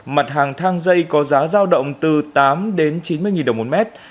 mặt hàng thang dây có giá giao động từ tám đến chín mươi đồng một mét